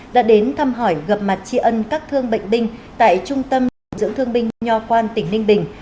đã đến thăm hỏi gặp mặt tri ân các thương bệnh binh tại trung tâm điều dưỡng thương binh nho quan tỉnh ninh bình